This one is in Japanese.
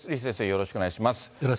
よろしくお願いします。